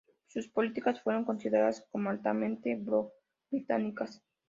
Sus políticas fueron consideradas como altamente pro-británicas.